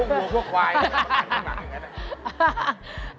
เห้ยเ